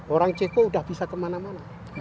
orang ceko udah bisa kemana mana